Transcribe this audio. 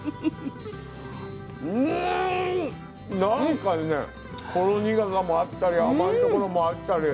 うんなんかねほろ苦さもあったり甘いところもあったり。